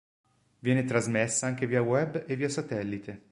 Viene trasmessa anche via web e via satellite.